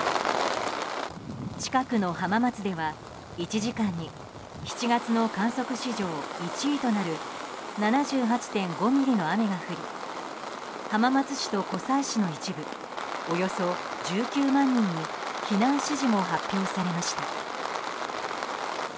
近くの浜松では１時間に７月の観測史上１位となる７８．５ミリの雨が降り浜松市と湖西市の一部およそ１９万人に避難指示も発表されました。